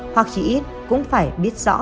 hoặc chỉ ít cũng phải biết rõ